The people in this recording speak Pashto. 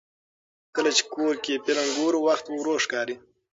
کله چې کور کې فلم ګورو، وخت ورو ښکاري.